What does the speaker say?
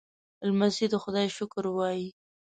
لمسی د خدای شکر وايي.